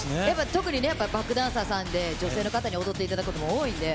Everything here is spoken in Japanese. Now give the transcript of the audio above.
特に、やっぱバックダンサーさんで、女性の方に踊っていただくこと、多いんで。